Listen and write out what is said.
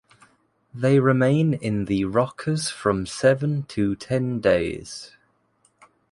They remain in the rockers from seven to ten days.